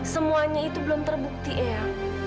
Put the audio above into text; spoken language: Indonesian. semuanya itu belum terbukti ea